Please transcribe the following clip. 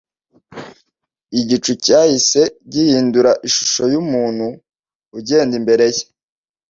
igicu cyahise gihindura ishusho yumuntu ugenda imbere ye